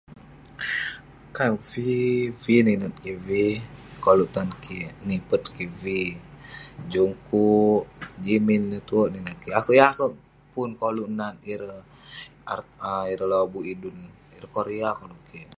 Kan V, V ninat kik V, koluk tan kik, nipet kik V. Jungkook, Jimin ineh tue ninat kik. Akouk yeng akouk pun koluk nat ireh ar- ireh lobuk idun. Ireh korea koluk kik.